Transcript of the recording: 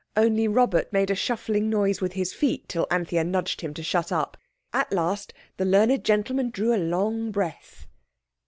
Only Robert made a shuffling noise with his feet till Anthea nudged him to shut up. At last the learned gentleman drew a long breath.